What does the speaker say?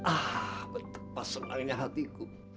ah betapa senangnya hatiku